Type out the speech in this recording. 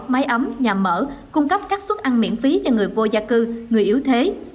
máy ấm nhà mở cung cấp các suất ăn miễn phí cho người vô gia cư người yếu thế